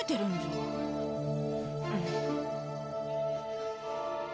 うん。